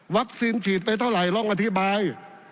วัคซีนฉีดไปเท่าไหร่ลองอธิบาย